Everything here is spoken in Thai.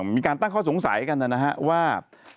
มีการตั้งข้อสงสัยกันนะครับว่า